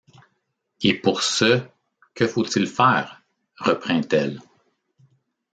Et pour ce, que faut-il faire ? reprint-elle.